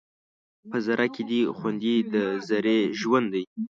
په ذره کې دې خوندي د ذرې ژوند دی